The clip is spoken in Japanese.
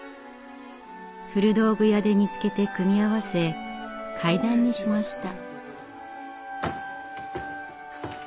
古道具屋で見つけて組み合わせ階段にしました。